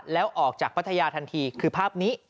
แล้วออกจากพัทยาทันทีคือภาพนี้